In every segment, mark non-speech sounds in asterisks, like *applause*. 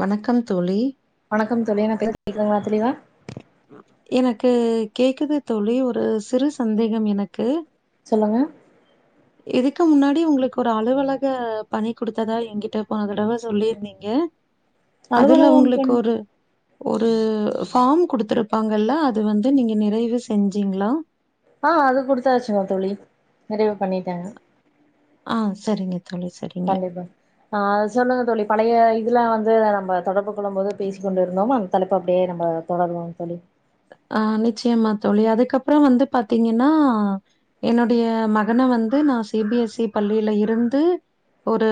வணக்கம் தோழி வணக்கம் தோழி நா *inaudible* கேக்குதுங்களா தெளிவா எனக்கு கேக்குது தோழி ஒரு சிறு சந்தேகம் எனக்கு சொல்லுங்க இதுக்கு முன்னாடி உங்களுக்கு ஒரு அலுவலக பணி குடுத்ததா என்கிட்ட போன தடவ சொல்லியிருந்தீங்க *inaudible* அதுல உங்களுக்கு பணி ஒரு ஒரு ஃபார்ம் குடுத்துருப்பாங்கல்ல அது வந்து நீங்க நிறைவு செஞ்சீங்களா ஆ அது குடுத்தாச்சுங்க தோழி நிறைவு பண்ணிட்டேங்க ஆ செரிங்க தோழி செரி கண்டிப்பா ஆ சொல்லுங்க தோழி பழைய இதுல வந்து நம்ப தொடர்பு கொள்ளும் போது பேசிக் கொண்டிருந்தோம் தலைப்பு அப்படியே நம்ப தொடருவோம் தோழி ஆ நிச்சயமா தோழி அதுக்கப்பறோ வந்து பாத்தீங்கன்னா என்னுடைய மகன வந்து நா சி பி எஸ் சி பள்ளியில இருந்து ஒரு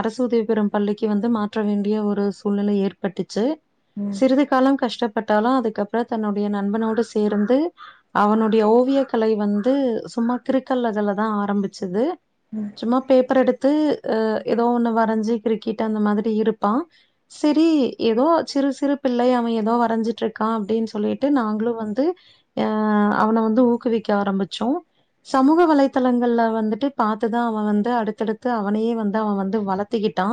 அரசு உதவி பெறும் பள்ளிக்கு வந்து மாற்ற வேண்டிய ஒரு சூழ்நிலை ஏற்பட்டுச்சு ம் சிறிது காலம் கஷ்டப்பட்டாலு அதுக்கப்பறோ தன்னுடைய நண்பனோடு சேர்ந்து அவனுடைய ஓவிய கலை வந்து சும்மா கிருக்கல் இதுல தா ஆரம்பிச்சுது சும்மா பேப்பர் எடுத்து அ எதோ ஒண்ணு வரஞ்சி கிரிக்கிட்டு அந்த மாதிரி இருப்பா செரி எதோ சிறு சிறு பிள்ளை அவ எதோ வரஞ்சிட்ருக்கா அப்டின்னு சொல்லீட்டு நாங்களு வந்து அ அவன வந்து ஊக்குவிக்க ஆரம்பிச்சோ சமூக வலைத்தளங்கள்ல வந்துட்டு பாத்துதா அவ வந்து அடுத்தடுத்து அவனையே வந்து அவ வந்து வளத்திக்கிட்டா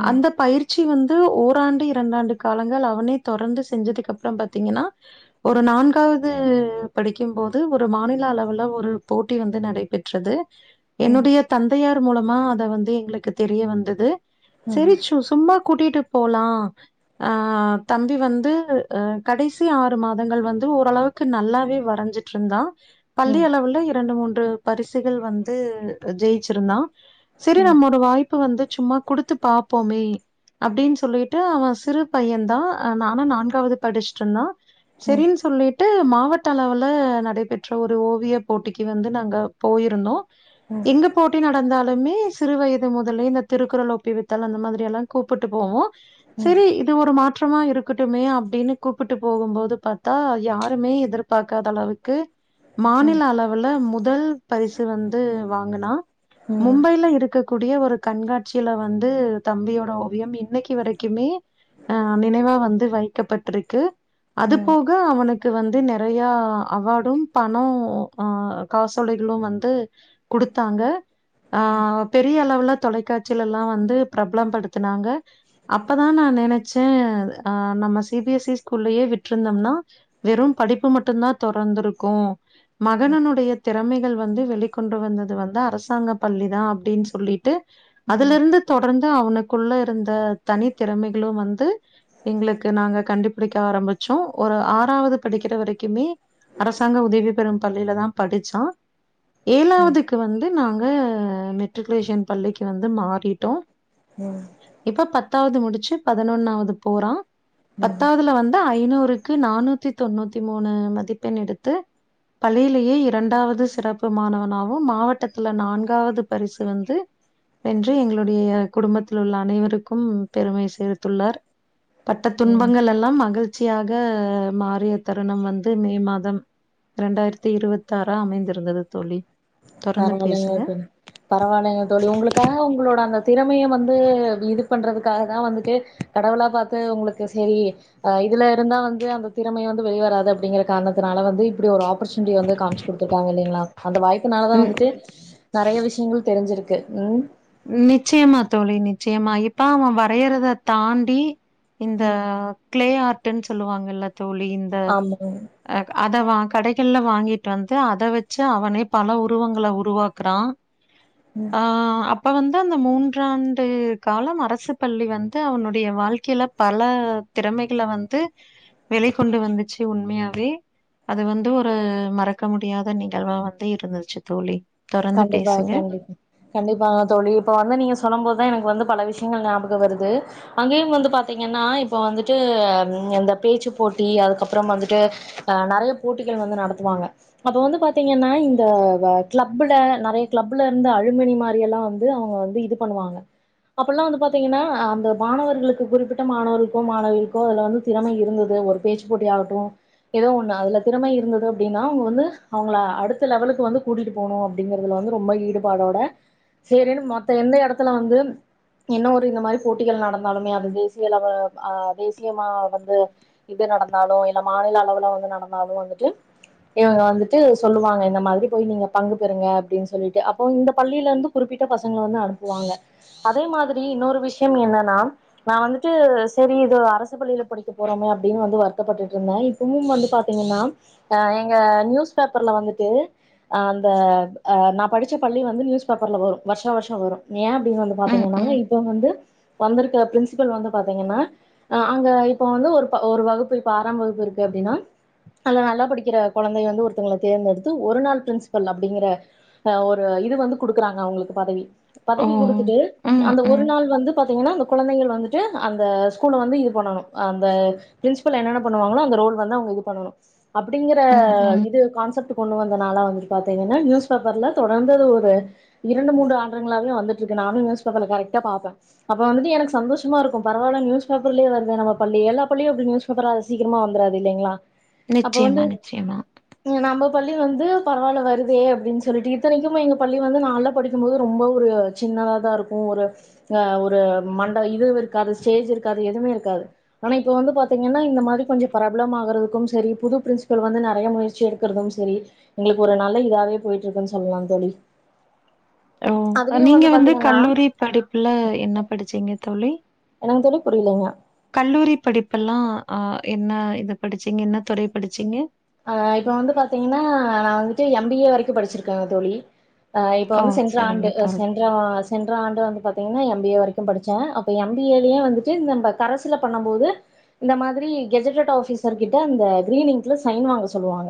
ம் அந்த பயிற் ச்சி வந்து ஓராண்டு இரண்டாண்டு காலங்கள் அவனே தொடர்ந்து செஞ்சதுக்கப்பறோ பாத்திங்கன்னா ம் ஒரு நான்காவது படிக்கும்போது ஒரு மாநில அளவுல் ஒரு போட்டி வந்து நடைபெற்றது ம் என்னுடைய தந்தையார் மூலமா அத வந்து எங்களுக்கு தெரிய வந்தது செரி ம் சு சும்மா கூட்டீட்டு போலா அ தம்பி வந்து அ கடைசி சி ஆறு மாதங்கள் வந்து ஓரளவுக்கு நல்லாவே வரஞ்சிட்ருந்தா பள்ளி ம் ம் அளவுல இரண்டு மூன்று பரிசுகள் வந்து ஜெயிச்சிருந்தா செரி நம்ம ஒரு வாய்ப்பு வந்து சும்மா குடுத்து பாப்போமே அப்டின்னு சொல்லீட்டு அவ சிறு பையந்தா அ நானு நான்காவது படிச்சிட்டுன்னா ம் செரின்னு சொல்லி ட்டு மாவட்ட அளவுல நடைபெற்ற ஒரு ஓவிய போட்டிக்கு வந்து நாங்க போயிருந்தோ ம் ம் எங்கப் போட்டி நடந்தாலுமே சிறு வயது முதலே இந்த திருக்குறள் ஒப்பிவித்தல் அந்த மாதிரி எல்லா கூப்பிட்டு போவோ சேரி இது ஒரு மாற்றமா இருக்கட்டுமே அப்டின்னு கூப்பிட்டு போகும்போது பார்த்தா யாருமே எதிர்பாக்காத அளவுக்கு மாநில அளவ் உள்ள முதல் பரிசு வந்து வாங்கனா ம் ம் ம் ம் மும்பைல இருக்க கூடிய ஒரு கண்காட்சில வந்து தம்பியோட ஓவியம் இன்னைக்கு வரைக்குமே அ நினைவா வந்து வைக்கப்பட்ருக்கு அதுபோக கு அவனுக்கு வந்து நெறயா அவார்டு பணம் ஆ காசோலைகளு வந்து குடுத்தாங்க ஆ பெரிய அளவுல தொலைக்காட்சிலலா வந்து பிரபல படுத்துனாங்க அப்பதா நா நெனச்சே அ நம்ம சிபிஎஸ்இ கூல்லயே விட்ருந்தோம்னா வெறு படிப்பு மட்டுந்தா தொரந்துருக்கு மகனனுடைய திறமகள் வந்து வெளிக்கொண்டு வந்தது வந்து அரசாங்க பள்ளி தா அப்டின் சொல்லிட்டு அதுல இருந்து தொடர்ந்து அவனுக்குள்ள இருந்த தனி திறமைகளு வந்து எங்களுக்கு நாங்க கண்டிப் படிக்க ஆரம்பிச்சோ ஒரு ஆறாவது படிக்கிற வரைக்குமே அரசாங்க உதவி பெறும் பள்ளில தா படிச்சா ம் ஏழாவதுக்கு வந்து நாங்க மெட்ரிகுலேஷன் பள்ளிக்கு வந்து மாறிட்டோ ம் இப்ப பத்தாவது முடிச்சு பதினொன்னாவது போறா ம் ம் த்தாவதுல வந்து ஐநூறுக்கு நானூத்தி தொண்ணூத்தி மூணு மதிப்பெண் எடுத்து பள்ளியிலேயே இரண்டாவது சிறப்பு மாணவனாவு மாவட்டத்துல நான்காவது பரிசு வந்து வென்று எங்களுடைய குடும்பத்தில் உள்ள அனைவருக்கும் பெருமை சேர்த்துள்ளார் பட்ட ம் துன்பங்கள் எல்லா மகிழ்ச்சியாக மாறிய தருணம் வந்து மே மாதம் இரண்டாயிரத்தி இருபத்தி ஆறா அமைந்திருந்தது தோழி தொடர்ந்து பரவில்லையோ பேசுங்க. தோழி பரவில்லைங்க தோழி உங்களுக்காக உங்களோட அந்த திறமைய வந்து இது பண்றதுக்காக தா வந்துட்டு கடவுளா பாத்து உங்களுக்கு சேரி அ இதுல இருந்தா வந்து அந்த திறமைய வந்து வெளிவராது அப்டிங்கிற காரணத்தினால வந்து இப்டி ஒரு ஆப் பர்சுனிட்டி வந்து காமிச்சு குடுத்துருக்காங்க இல்லங்களா அந்த வாய்ப்புனால தா ம். வந்துட்டு நெறய விஷயங்கள் தெரிஞ்சிருக்கு ம் நிச்சயமா தோழி நிச்சயமா இப்ப அவ வரையறத தாண்டி இந்த ம். கிளே ஆர்ட்ன்னு சொல்லுவாங்கல தோழி இந் ஆமா அ அத வா கடைகள்ல வாங்கிட்டு வந்து அத வச்சு அவனே பல உருவங்கள உருவாக்குறா *inaudible* ஆ அப் அப்ப வந்து அந்த மூன்றாண்டு காலம் அரசு பள்ளி வந்து அவனுடைய வாழ்க்கைல பல திறமகளை வந்து வெளி கொண்டு வந்துச்சு உண்மையாவே அது வந்து ஒரு மறக்க முடியாத நிகழ்வா வந்து இருந்துச்சு தோழி தொடர்ந்து சாப்டிங்ளா பேசுங்க. கண்டிப்பா கண்டிப்பா தோழி இப்ப வந்து நீங்க சொல்லும் போதுதா எனக்கு வந்து பல விஷயங்கள் ஞாபகம் வருது அங்கேயும் வந்து பாத்தீங்கன்னா இப்ப வந்துட்டு இந்த பேச்சு போட்டி அதுக்கப்புற வந்துட்டு அ நெறய போட்டிகள் வந்து நடத்துவாங்க அப்ப வந்து பாத்தீங்கன்னா இந்த வ கிளப் கிளப்ல நெறய கிளப்ல இருந்த அழுமணி மாரி எல்லா வந்து அவுங்க வந்து இது பண்ணுவாங்க அப்பல்லாம் வந்து பாத்தீங்கன்னா அந்த மாணவர்களுக்கு குறிப்பிட்ட மாணவர்களுக்கோ மாணவளுக்கோ அதுல வந்து திறமை இருந்தது ஒரு பேச்சு போட்டி ஆகட்டும் ஏதோ ஒண்ணு அதுல திறமை இருந்தது அப்டின்னா அவங்க வந்து அவங்கள அடுத்த லெவலுக்கு வந்து கூட்டிட்டு போணும் அப்டிங்கறதுல வந்து ரொம்ப ஈடுபாடோட செரின்னு மத்த எந்த இடத்துல வந்து என்ன ஒரு இந்த மாதிரி போட்டிகள் நடந்தாலுமே அது தேசியலவ அ தேசியமா வந்து இது நடந்தாலும் இல்ல மாநில அளவுல வந்து நடந்தாலும் வந்துட்டு இவங்க வந்துட்டு சொல்லுவாங்க இந்த மாதிரி போய் நீங்க பங்கு பெறுங்க அப்டின்னு சொல்லிட்டு அப்போ இந்த பள்ளியிலருந்து குறிப்பிட்ட பசங்கள வந்து அனுப்புவாங்க அதே மாதிரி இன்னொரு விஷயம் என்னன்னா நான் வந்துட்டு செரி இது அரசு பள்ளியில படிக்க போறோமே அப்டின்னு வந்து வருத்தப்பட்டுட்டுருந்தேன் இன்னும் வந்து பாத்தீங்கன்னா எங்கள் நியூஸ் பேப்பரில வந்துட்டு அந்த அ நான் படிச்ச பள்ளி வந்து நியூஸ் பேப்பர்ல வரும் வருஷம் வருஷம் வரும் ஏன் அப்டின்னு வந்து பா ம், பாத்தீங்கன்னா ம். இப்ப வந்து வந்திருக்க பிரின்சிபல் வந்து பாத்தீங்கன்னா அங்க இப்ப வந்து ஒரு ஒரு வகுப்பு இப்ப ஆறாம் வகுப்பு இருக்கு அப்டின்னா அதுல நல்லா படிக்கிற கொழந்தைய வந்து ஒருத்தவங்கள தேர்ந்தெடுத்து ஒரு நாள் பிரின்ஸ் பல் அப்டிங்கற அ ஒரு இது வந்து கொடுக்குறாங்க அவங்களுக்கு பதவி ஓ! பதவி கொடுத்துட்டு ம், அந்த ஒரு ம். நாள் வந்து பாத்தீங்கன்னா அந்த கொழந்தைகள் வந்துட்டு அந்த ஸ்கூல வந்து இது பண்ணணும் அந்த பிரின்சிபல் என்னன்ன பண்ணுவாங்களோ அந்த ரோல் வந்து அவங்க இது பண்ணணும் அப்டிங்கிற ம், ம். இது கான்செப்ட் கொண்டு வந்தனால வந்து பாத்தீங்கன்னா நியூஸ் பேப்பர்ல தொடர்ந்தது ஒரு இரண்டு மூன்று ஆண்டுங்களாவே வந்துட்டுருக்கு நானும் நியூஸ் பேப்பர்ல கரெக்டா பாப்பேன் அப்ப வந்துட்டு எனக்கு சந்தோஷமா இருக்கும் பரவால்ல நியூஸ் பேப்பர்லயே வருது நம்ம பள்ளி எல்லா பள்ளியும் அப்டி நியூஸ் பேப்பர்லலாம் அது சீக்கிரமா வந்துராது இல்லைங்களா அப்ப வந்து நிச்சயமா, நிச்சயமா. நம்ப பள்ளிய வந்து பரவாயில்ல வருதே அப்டின்னு சொல்லிட்டு இத்தனைக்கும் எங்கள் பள்ளி வந்து நாள்லாம் படிக்கும்போது ரொம்ப ஒரு சின்னதாக தான் இருக்கும் ஒரு ஆ ஒரு மண்ட இது இருக்காது ஸ்டேஜ் இருக்காது எதுவுமே இருக்காது ஆனா இப்ப வந்து பாத்தீங்கன்னா இந்த மாதிரி கொஞ்ச பிரபலம் ஆகறதுக்கும் செரி புது பிரின்சிபல் வந்து நெறைய முயற்சி எடுக்கு க்குறதும் செரி எங்களுக்கு ஒரு நல்ல இதாவே போயிட்டு இருக்குன்னு சொல்லலாம் தோழி ஓ அதுலயு நீங்க வந்து பாத்தீங்கன்னா கல்லூரி படிப்புல என்ன படிச்சீங்க தோழி என்னாங்க தோழி புரியலங்க கல்லூரி படிப்பெல்லாம் அஹ் என்ன இது படிச்சிங்க என்ன துறை படிச்சிங்க அ இப்ப வந்து பாத்தீங்கன்னா நான் வந்துட்டு எம் பி ஏ வரைக்கும் படிச்சிருக்கேங்க தோழி ஆ இப்ப ஓ! வந்து சென்ற சரிங்க ஆண்டு தோழி. செ சென்ற ஆண்டு வந்து பாத்தீங்கன்னா எம் பி ஏ வரைக்கும் படிச்சேன் அப்ப எம் பி ஏ லயே வந்துட்டுஇந்த கரசில் பண்ணும்போது இந்த மாதிரி கெஜட் ஆபீசர் கிட்ட இந்த கிரீன்ங்கஸ் சைன் வாங்க சொல்லுவாங்க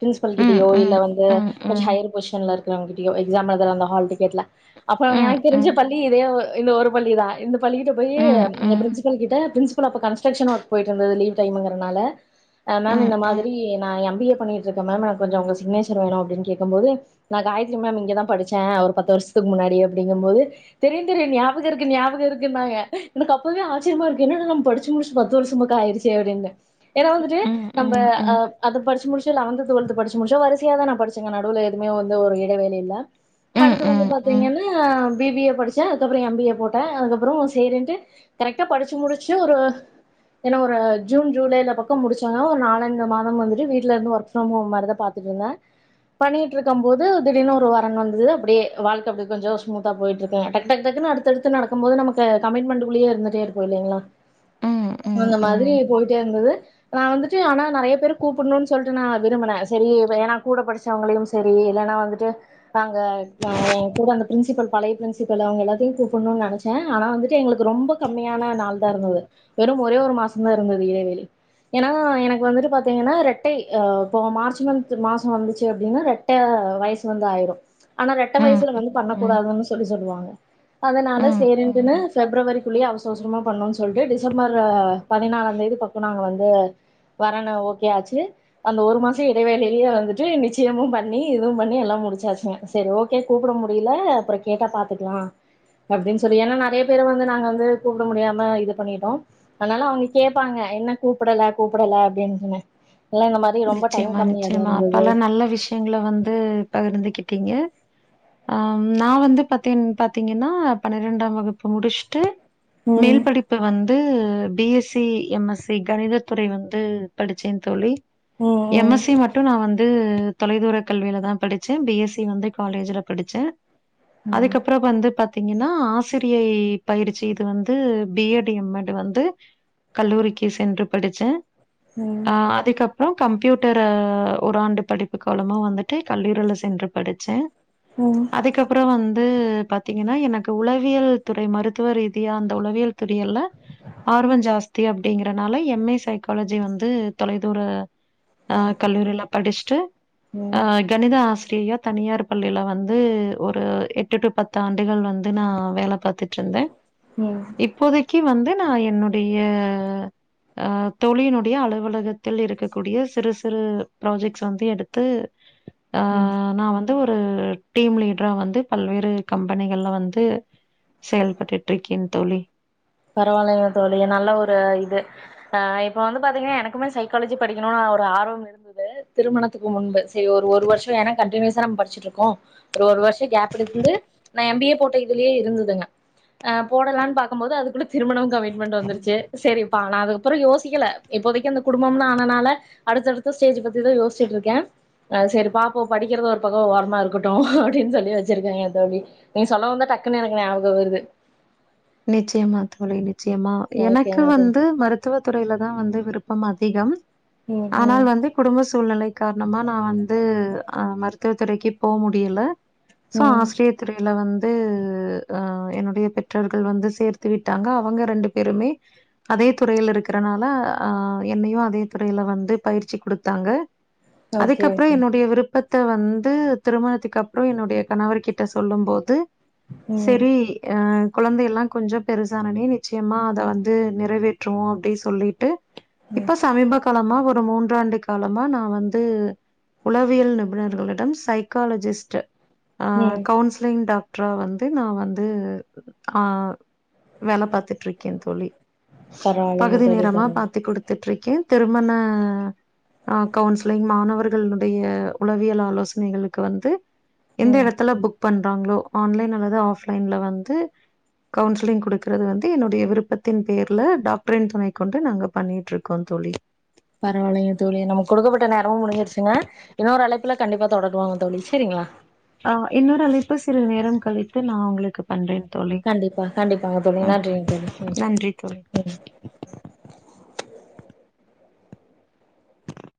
பிரின்சிபல் ம், கிட்டயோ இல்ல ம், வந்து ம், கொஞ்சம் ம், ஹையர் பொசிசன்ல இருக்கு கிட்ட எக்ஸாம் எழுதுற அந்த கால் டிக்கட்ல ம், அப்றம் ம், எனக்கு தெரிஞ்ச ம், பள்ளி இதே இந்த ஒரு பள்ளி தான் இந்த பள்ளி கிட்ட ஆ போயி ம், ம், ம், பிரின்சிபல் கிட்ட பிரின்சில் அப்ப கன்ஸ்ட்ரக்ஷன் ஒர்க் போயிட்டு இருந்தது லீவ்ங் டைம்ங்கரனால மேம் ம், இந்த மாதிரி ம், ந எம் பி ஏ பண்ணிட்டு இருக்கற மேம் ந கொஞ்சம் உங்க சிக்னேசர் வேணும் அப்டின்னு கேக்கும் போது நான் காயத்தரி மேம் இங்கதான் படிச்சேன் ஒரு பத்து வருஷத்துக்கு முன்னாடி அப்டிங்கும் போது தெரியும் தெரியும் ஞாபகம்ருக்கு ஞாபகம் இருக்குன்னாங்க எனக்கு அப்பவே ஆச்சரியமா இருக்கு என்னன்னா நம் படிச்சு முடிச்சு பத்து வருஷம்பக்கோ ஆயிடுச்சு *unintelligible* ஏன்னா வந்துட்டு ம், நம்ப ம், அ ம், அது படிச்சு முடிச்சு லவன்த்து டுவெல்த்து படிச்சு முடிச்சு வரிசையா தான் நான் படிச்சேங்க நடுவுல எதுமே வந்து ஒரு இடை வேலை இல்ல ம், அடுத்து வந்து ம், பாத்தீங்கன்னா பி பி ஏ படிச்சேன் அதுக்கப்புறம் எம் பி ஏ போட்டேன் அதுக்கப்புறம் சேரின்ட்டு கரெக்டா படிச்சு முடிச்சு ஒரு ஏன்னா ஒரு ஜூன் ஜூலைல பக்கம் முடிச்சாத ஒரு நாலஞ்சு இந்த மாதம் வந்துட்டு வீட்ல இருந்து ஒர்க்ஃபம் ஹோம் மாரிதா பாத்துட்டுருந்தேன் பண்ணிட்டு இருக்கும் போது திடீர்னு ஒரு வரன் வந்தது அப்டே வாழ்க்க அப்டே கொஞ்சோ ஸ்மூத்தா போய்ட்டு இருக்கே டக்கு டக்கு டக்குன்னு அது அடுதடுத்து நடக்கும் போது நமக்கு கமிட்மெண்ட்குள்ளயே இருந்துட்டே இருக்கும் இல்லைங்களா ம், ம், அந்த மாரி போய்ட்டே இருந்தது நான் வந்துட்டு ஆனா நறைய பேர் கூப்பிடணும்ன்னு சொல்லிட்டு நான் விரும்புனே சேரி ஏன்னா கூட படிச்சவங்களையும் சேரி இல்லன்னா வந்துட்டு நாங்க நா என் கூட அந்த பிரின்சிபல் பழைய பிரின்சிபல் அவுங்க எல்லாத்தையும் கூப்பண்ணும்னு நினைச்சேன் ஆனா வந்து கே எங்களுக்கு ரொம்ப கம்மியான நாள் தான் இருந்தது வெறும் ஒரே ஒரு மாசோ தான் இருந்தது இடைவேளி ஏன்னா எனக்கு வந்துட்டு பாத்தீங்கன்னா ரெட்டை அ இப்போ மார்ச் வந் மாசம் வந்துச்சு அப்டின்னா ரெட்ட வயசு வந்து ஆய்ரும் ஆனா ரெட்ட ம், வயசுல வந்து பண்ணக்க ம், கூடாதுன்னு சொல்லி சொல்லுவாங்க அதனால ம், சேரிண்டுன்னு ம். பிப்ரவரிக்குள்ளேயே அவசோ அவசரமா பண்ணும்ன்னு சொல்ட்டு டிசம்பர் பதினாறாம் தேதி பக்கம் நாங்க வந்து கல்யாணம் ஓகே ஆச்சு அந்த ஒரு மாசம் இடைவேளிலயே வந்துட்டு நிச்சயமும் பண்ணி இதுவும் பண்ணி எல்லாம் முடிச்சாச்சுங்க சேரி ஓகே கூப்ட முடில அப்பறோ கேட்டா பாத்துக்கலாம் அப்டின்னு சொல்லி ஏன்னா நறைய பேரவந்து நாங்க வந்து கூப்பிட முடியாம இது பண்ணிட்டோம் அதனால அவுங்க கேட்பாங்க என்ன கூப்பிடல கூப்பிடல அப்டின்னு இல்ல இந்த மாரி ரொம்ப டைம் நிச்சயமா கம்மியாதான் நிச்சயமா இருந்தது பல நல்ல விஷயங்கள வந்து பகிர்ந்துகிட்டீங்க அம் நான் வந்து பாத்தீங் பாத்தீங்கன்னா பன்னிரெண்டாம் வகுப்பு முடிஸ்ட்டு ம் மேல் படிப் இப்போ வந்து B S C M S C கணித துறை வந்து படிச்சேன் தோழி ம் எம் ம் எஸ் சி மட்டும் நான் வந்து தொலைதூர கல்வியில தான் படிச்சேன் பி எஸ் சி வந்து காலேஜ்ல படிச்சேன் ம் அதுக்கப்பறோ வந்து பாத் பாத்தீங்கன்னா ஆசிரியை பயிற்சி இது வந்து பி எட் எம் எட் வந்து கல்லூரிக்கு சென்று படிச்சேன் ம் அ அதுக்கப் அப்றோ கம்ப்யூட்டர் அ ஒரு ஆண்டு படிப்பு காலமா வந்துட்டு கல்லூரில சென்று படிச்சேன் ம் அதுக்கப்பறோ வந்து பாரத்தீங்கன்னா எனக்கு உளவியல் துறை மருத்துவ ரீதியா அந்த உளவியல் துறியில்ல ஆர்வம் ஜாஸ்தி அப்டிங்கறனால எம் ஏ சைக்காலஜி வந்து தொலைதூர அ கல்லூரில்லாம் படிச்ட்டு அ ம் கணித ஆசிரியா தனியார் பள்ளியில வந்து ஒரு எட்டு டு பத்து ஆண்டுகள் வந்து நா வேல பாத்துட்டு இருந்தன் மியாவ் இப்போதைக்கு வந்து நான் என்னுடைய அ தோழினுடைய அலுவலகத்தில் இருக்கு கூடிய சிறு சிறு ப்ராஜெக்ட்ஸ் வந்து எடுத்து அ ம் நான் வந் து ஒரு டீம் லீட்ரா வந்து பல்வேறு கம்பெனிகள்ல வந்து செயல்பட்டுட்டு இருக்கேன் தோழி பரவாயில்லைங்க தோழி நல்ல ஒரு இது ஆ இப்ப வந்து பாத்தீங்கன்னா எனக்குமே சைக்காலஜி படிக்கணும்னு ஒரு ஆர்வம் இருந்தது திருமணத்துக்கு முன்பு சேரி ஒரு ஒரு வருஷம் ஏன்னா கன்டிநியூசா நம் படிச்சிட்டு இருக்கோம் ஒரு வருஷம் கேப் எடுந்து நான் எம் பி ஏ போட் இதுலேயே இருந்ததுங்க அ போடலான்னு பார்க்கும்போது அதுக் குள்ள திருமணமும் கமிட்மெண்ட் வந்துருச்சு சரிப்பா ஆன அதுக்கப்றோ யோசிக்கல இப்போதைக்கு இந்த குடும்பம்னு ஆனனால அடுத்தடுத்து ஸ்டேஜ் பத்தி தான் யோசிச்சிட்டு இருக்க ஆ சரி பாப்போ படிக்கிறத ஒரு பக்கம் ஓரமா இருக்கட்டும் அப்டின்னு சொல்லி வச்சிருக்கேங்க தோழி நீ சொல்லவுதா டக்குனு எனக்கு ஞாபகம் வருது நிச்சயமா தோழி நிச்சயமா எனக்கு ஓகேங்க தோழி வந்து மருத் துவ துறையில தான் வந்து விருப்பம் அதிகம் ம் ஆனால் ம் வந்து குடும்ப சூழ்நிலை காரணமா நான் வந்து அ மருத்துவ துறைக்கு போ முடியல சோ ம் ஆசிரிய துறையில வந்து அ என்னுடைய பெற்ற ர்கல் வந்து சேர்த்து விட்டாங்க அவங்க ரெண்டு பேருமே அதே துறையில இருக்கறனால அ என்னையும் அதே துறையில வந்து பயிற்சி கொடுத்தாங்க ஓகே அதுக்கப்ரோ ஓகே என்னுடைய விருப்பத் த வந்து திருமணத்துக்கு அப்ரோ என்னுடைய கணவர் கிட்ட சொல்லும் போது ம் சரி ஆ குழந்தையெல்லாம் கொஞ்சம் பெருசானனே நிச்சயமா அதை வந்து நிறைவேற்றுவோம் அப்படி சொல்லிட்டு ம் இப்ப சமீப காலமா ஒரு மூன்றாண்டு காலமா நான் வந்து உளவியல் நிபுணர்களிடம் சைக்காலஜிஸ்ட் ஆ ம் கவுன்சிலிங் டாக்டரா வந்து நான் வந்து ஆ வேல பாத்துட்டுருக்க தோழி பரவாயில்லைங்க பகுதி தோழி நேரமா பரவால்ல பாத்து குடுத் துட்டுருக்க திருமண அ கவுன்சிலிங் மாணவர்களுடைய உளவியல் ஆலோசனைகளுக்கு வந்து எந்த ம் எடத்துல புக் பண்றாங்களோ ஆன்லைன் அல்லது ஆஃப்லைன்ல வந்து கவுன்சிலிங் கொடுக்குறது வந்து என்னுடைய விருப்பத்தின் பேர்ல டாக்டரின் துணை கொண்டு நாங்க பண்ணிட்டுருக்கோ தோழி பரவாயில்லங்க தோழி நமக்கு கொடுக்கப்பட்ட நேரமும் முடிஞ்சிருச்சுங்க இன்னொரு அழைப்புல கண்டிப்பா தொடங்குவோங்க தோழி சரிங்களா ஆ இன்னொரு அழைப்பு சில நேரம் கழித்து நான் உங்களுக்கு பண்றேன் தோழி கண்டிப்பா கண்டிப்பாங்க தோழி ம் நன்றிங்க தோழி நன்றி உம்